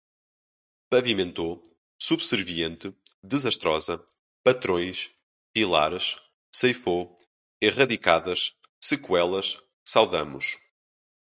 Pavimentou, subserviente, desastrosa, patrões, pilares, ceifou, erradicadas, sequelas, saudamos